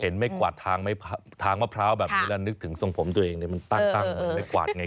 ไม่กวาดทางมะพร้าวแบบนี้แล้วนึกถึงทรงผมตัวเองมันตั้งไม่กวาดไง